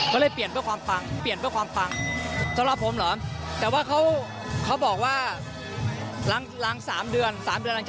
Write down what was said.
ก็เลยเปลี่ยนเพื่อความฟัง